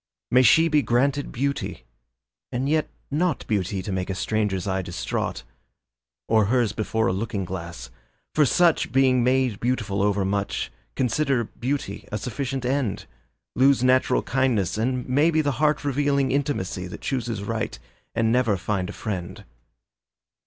May she be granted beauty and yet not Beauty to make a stranger's eye distraught, Or hers before a looking glass, for such, Being made beautiful overmuch, Consider beauty a sufficient end, Lose natural kindness and maybe The heart revealing intimacy That chooses right and never find a friend.